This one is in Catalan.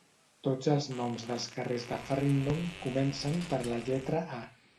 Tots els noms dels carrers de Farringdon comencen per la lletra A.